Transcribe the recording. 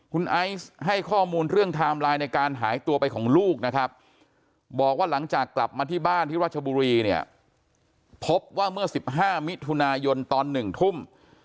คุณไอซ์ให้ข้อมูลเรื่องไทม์ไลน์ในการหายตัวไปของลูกนะครับบอกว่าหลังจากกลับมาที่บ้านที่รัชบุรีเนี่ยพบว่าเมื่อ๑๕มิถุนายนตอน๑ทุ่ม